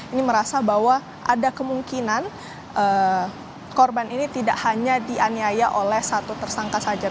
ini merasa bahwa ada kemungkinan korban ini tidak hanya dianiaya oleh satu tersangka saja